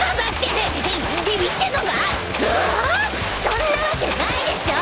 そんなわけないでしょ！